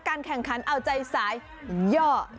การแข่งขันเอาใจสายย่อ